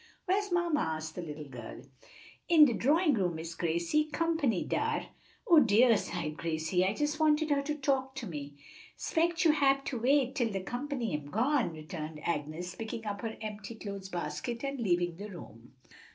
"Where's mamma?" asked the little girl. "In de drawin' room, Miss Gracie. Comp'ny dar." "Oh, dear!" sighed Gracie, "I just wanted her to talk to me." "'Spect you hab to wait till de comp'ny am gone," returned Agnes, picking up her empty clothes basket and leaving the room.